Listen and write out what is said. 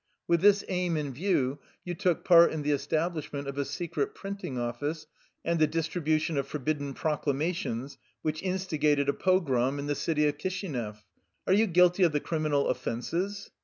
With this aim in view you took part in the establishment of a secret printing ofluce and the distribution of forbidden proclamations which instigated a pogrom in the city of Kishi nev. Are you guilty of the criminal offenses?